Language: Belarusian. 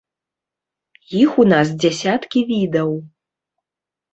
Іх у нас дзясяткі відаў.